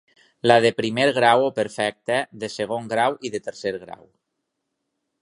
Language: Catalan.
La de primer grau o perfecta, de segon grau i de tercer grau.